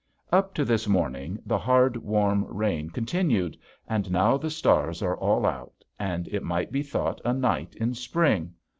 Up to this morning the hard warm rain continued, and now the stars are all out and it might be thought a night in spring.